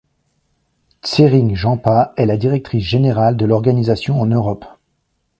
Tsering Jampa est la directrice générale de l'organisation en Europe.